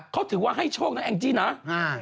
เขาถือว่าให้โชคนะแองจินะ